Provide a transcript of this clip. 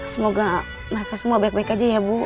semoga mereka semua baik baik aja ya bu